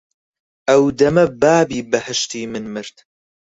ئەو دەمە بابی بەهەشتی من مرد